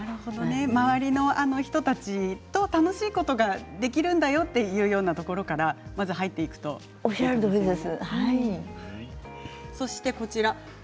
周りの人たちと楽しいことができるんだよというようなところからおっしゃるとおりです。